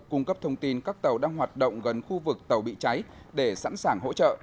cung cấp thông tin các tàu đang hoạt động gần khu vực tàu bị cháy để sẵn sàng hỗ trợ